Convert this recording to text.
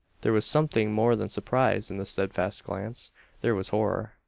There was something more than surprise in that stedfast glance there was horror.